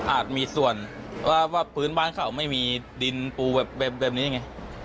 มีส่วนว่าพื้นบ้านเขาไม่มีดินปูแบบแบบนี้ไง